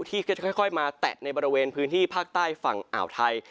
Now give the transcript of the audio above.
ที่จะค่อยมาแตะในบริเวณพื้นที่ภาคใต้ฝั่งอ่าวไทย